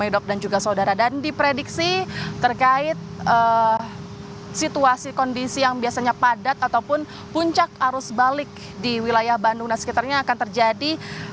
dan di prediksi terkait situasi kondisi yang biasanya padat ataupun puncak arus balik di wilayah bandung dan sekitarnya akan terjadi